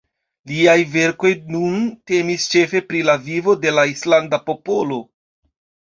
Liaj verkoj nun temis ĉefe pri la vivo de la islanda popolo.